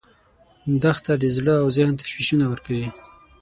دښته د زړه او ذهن تشویشونه ورکوي.